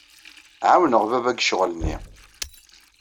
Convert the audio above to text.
Ɛawneɣ baba deg ccɣel-nni.